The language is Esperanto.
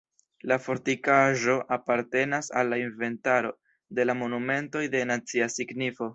La fortikaĵo apartenas al la inventaro de la monumentoj de nacia signifo.